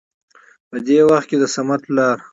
په دې وخت کې د صمد پلار